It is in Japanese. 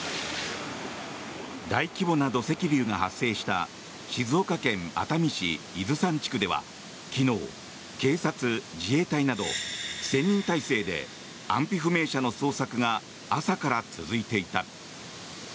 大規模な土石流が発生した静岡県熱海市伊豆山地区では昨日、警察、自衛隊など１０００人態勢で安否不明者の捜索が朝から続いていた。